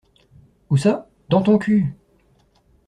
Où ça? Dans ton cul!